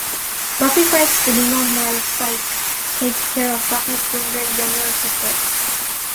Buffy fights the demon while Spike takes care of Buffy's wounded younger sister.